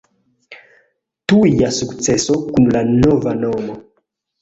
Tuja sukceso kun la nova nomo.